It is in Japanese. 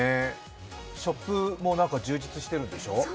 ショップもなんか充実しているんでしょ？